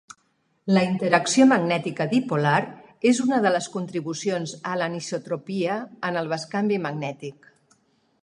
La interacció magnètica dipolar és una de les contribucions a l'anisotropia en el bescanvi magnètic.